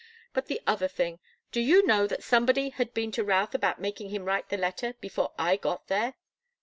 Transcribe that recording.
But the other thing. Do you know that somebody had been to Routh about making him write the letter, before I got there?"